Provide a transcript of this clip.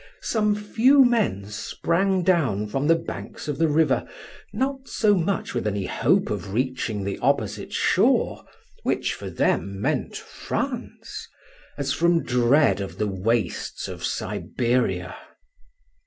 Some few men sprang down from the banks of the river, not so much with any hope of reaching the opposite shore, which for them meant France, as from dread of the wastes of Siberia.